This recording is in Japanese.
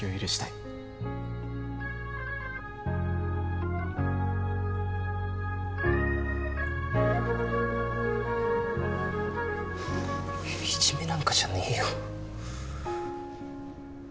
いじめなんかじゃねえよ。